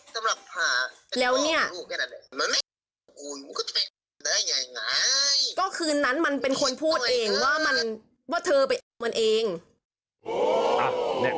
ก็คืนนั้นมันเป็นคนพูดเองว่าเธอเป็นเหมือนมันเอง